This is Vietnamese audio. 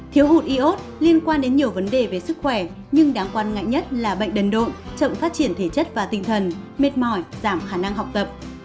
thiếu hụt iốt liên quan đến nhiều vấn đề về sức khỏe nhưng đáng quan ngại nhất là bệnh đần độ chậm phát triển thể chất và tinh thần mệt mỏi giảm khả năng học tập